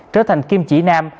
trở thành kim chỉ nam